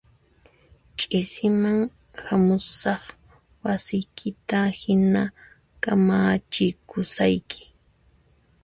Ch'isiman hamusaq wasiykita hina kamachikusayki